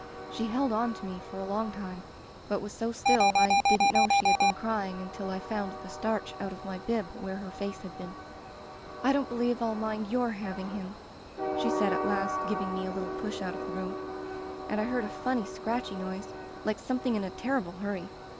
She held on to me for a long time, but was so still I didn't know she had been crying until I found the starch out of my bib where her face had been. Digitized by LjOOQ IC The Rubber Stamp "*I don't believe FU mind your having him/ she said at last, giving me a little push out of the room. And I heard a funny scratchy noise like something in a terrible hurry.